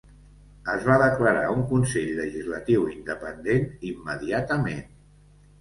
Es va declarar un consell legislatiu independent immediatament.